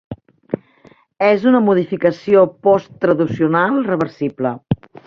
És una modificació posttraducional reversible.